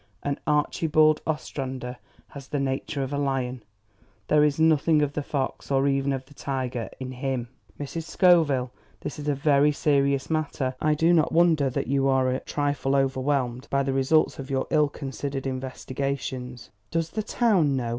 And Archibald Ostrander has the nature of a lion. There is nothing of the fox or even of the tiger in HIM. Mrs. Scoville, this is a very serious matter. I do not wonder that you are a trifle overwhelmed by the results of your ill considered investigations." "Does the town know?